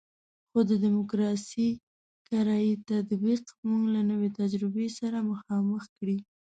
خو د ډیموکراسي کرایي تطبیق موږ له نوې تجربې سره مخامخ کړی.